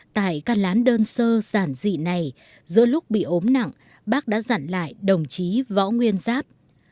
tại căn lán đơn sơ sản dị này giữa lúc bị ốm nặng bác đã dặn lại đồng chí võ nguyên giáp